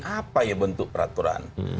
apa ya bentuk peraturan